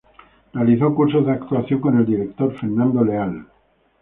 Realizó cursos de actuación con el director Fernando Leal.